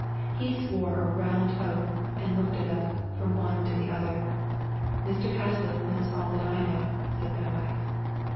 He swore a round oath, and looked at us, from one to the other. " Mr. Cassilis knows all that I know," said my wife.